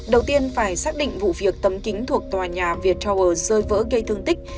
đầu tiên phải xác định vụ việc tấm kính thuộc tòa nhà viettower rơi vỡ gây tương tích